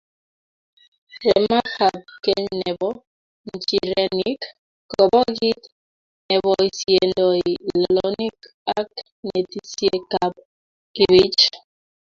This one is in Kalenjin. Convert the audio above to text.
Remakab keny nebo nchirenik kobo kiit neboisyindoi lolonik, ak netisiekab kibich.